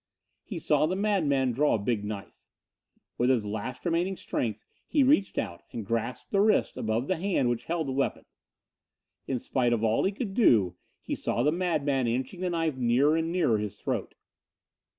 He saw the madman draw a big knife. With his last remaining strength he reached out and grasped the wrist above the hand which held the weapon. In spite of all he could do he saw the madman inching the knife nearer and nearer his throat.